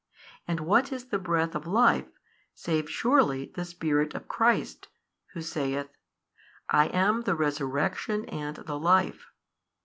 And what is the breath of life, save surely the Spirit of Christ Who saith, I am the Resurrection and the Life?